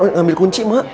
ngambil kunci mak